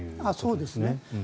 そうですね。